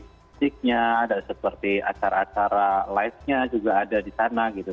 musiknya dan seperti acara acara live nya juga ada di sana gitu